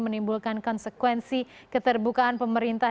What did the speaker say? menimbulkan konsekuensi keterbukaan pemerintah